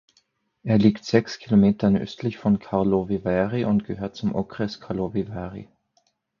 Er liegt sechs Kilometer östlich von Karlovy Vary und gehört zum Okres Karlovy Vary.